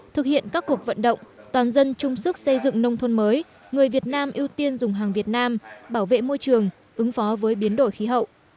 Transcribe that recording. thực hiện các cuộc vận động toàn dân chung sức xây dựng nông thôn mới người việt nam ưu tiên dùng hàng việt nam bảo vệ môi trường ứng phó với biến đổi khí hậu